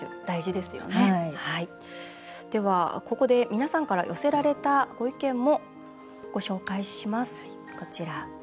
では、ここで皆さんから寄せられたご意見もご紹介します、こちら。